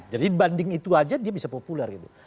jadi dibanding itu aja dia bisa populer gitu